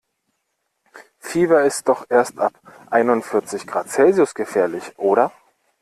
Fieber ist doch erst ab einundvierzig Grad Celsius gefährlich, oder?